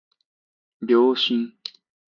秒針